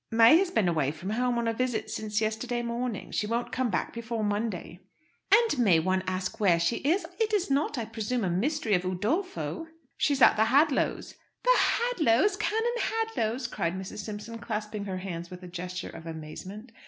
"May has been away from home on a visit since yesterday morning. She won't come back before Monday." "And may one ask where she is? It is not, I presume, a Mystery of Udolpho!" "She is at the Hadlows'." "The Hadlows'? Canon Hadlow's?" cried Mrs. Simpson, clasping her hands with a gesture of amazement.